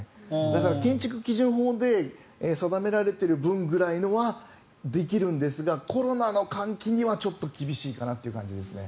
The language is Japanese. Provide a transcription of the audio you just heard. だから建築基準法で定められている分ぐらいのはできるんですがコロナの換気にはちょっと厳しいかなという感じですね。